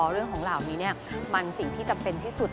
เรื่องของเหล่านี้มันสิ่งที่จำเป็นที่สุด